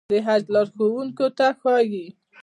د حج لارښوونکو ته ښايي.